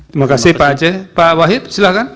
terima kasih pak aceh pak wahid silahkan